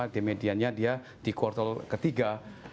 di mediannya dia di kuartal ketiga